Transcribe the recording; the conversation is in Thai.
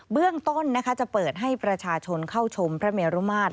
เบื้องต้นจะเปิดให้ประชาชนเข้าชมพระเมรุมาตร